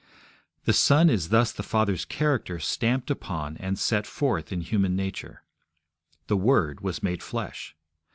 The Son is thus the Father's character stamped upon and set forth in human nature. The Word was made flesh.